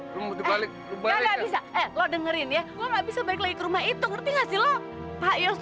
gue nggak bisa dengerin ya gue nggak bisa balik lagi ke rumah itu ngerti nggak sih lo pak yos